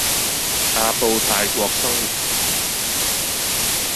阿布泰國生活百貨